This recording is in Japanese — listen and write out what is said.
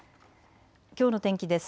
きょうの天気です。